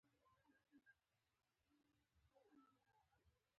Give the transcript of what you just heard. مجاهد د خپل رب په رحمت هیله لري.